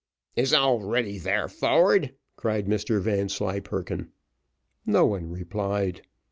"Is all ready there, forward?" cried Mr Vanslyperken. No one replied.